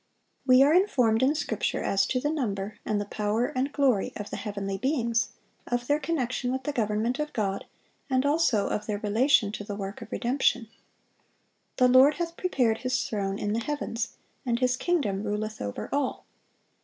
(899) We are informed in Scripture as to the number, and the power and glory, of the heavenly beings, of their connection with the government of God, and also of their relation to the work of redemption. "The Lord hath prepared His throne in the heavens; and His kingdom ruleth over all."